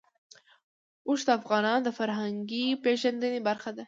اوښ د افغانانو د فرهنګي پیژندنې برخه ده.